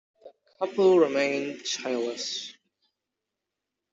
The couple remained childless.